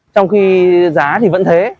trong khi giá thì vẫn thế